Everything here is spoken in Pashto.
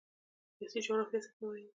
سیاسي جغرافیه څه ته وایي؟